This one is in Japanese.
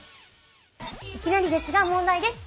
いきなりですが問題です。